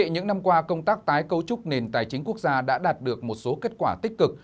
những năm qua công tác tái cấu trúc nền tài chính quốc gia đã đạt được một số kết quả tích cực